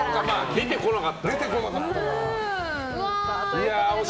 出てこなかったわ。